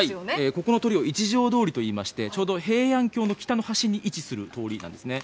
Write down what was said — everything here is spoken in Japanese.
ここの通を一条通といいまして、ちょうど平安京の北の端に位置する通りなんですね。